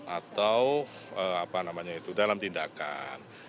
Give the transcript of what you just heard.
atau dalam tindakan